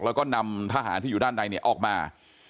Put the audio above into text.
แล้วก็นำทหารที่อยู่ด้านในออกมา